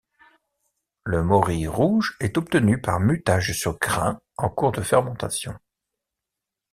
Le maury rouge est obtenu par mutage sur grain en cours de fermentation.